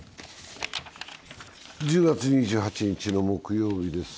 １０月２８日の木曜日です。